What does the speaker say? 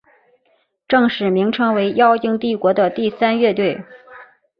正式名称为妖精帝国第三军乐队。